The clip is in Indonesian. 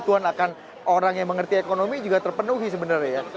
kebutuhan akan orang yang mengerti ekonomi juga terpenuhi sebenarnya ya